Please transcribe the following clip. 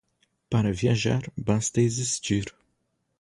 Para viajar basta existir.